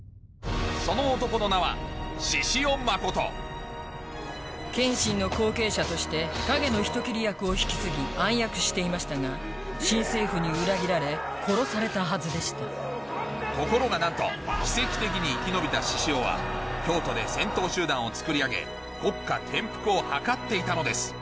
その男の名は剣心の後継者として影の人斬り役を引き継ぎ暗躍していましたが新政府に裏切られ殺されたはずでしたところがなんと奇跡的に生き延びた志々雄は京都で戦闘集団をつくり上げ国家転覆をはかっていたのです